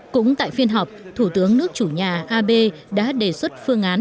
cũng tại phiên họp thủ tướng nước chủ nhà abe đã đề xuất phương án